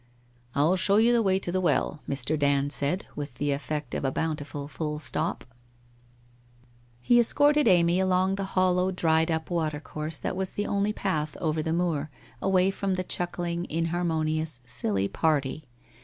'I'll show you the way to the well/ Mr. Dand said, with the effect of a bountiful full stop. ••••• He escorted Amy along the hollow dried up water course that was the only path over the moor, away from the chuckling, inharmonious, silly party.